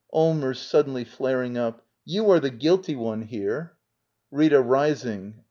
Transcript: Allmers. [Suddenly flaring up.] You are the guilty one here. Rita. [Rising.